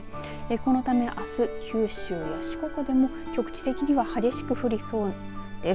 このため、あす九州や四国でも局地的には激しく降りそうです。